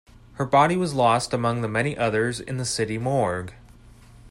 Her body was lost among the many others in the city morgue.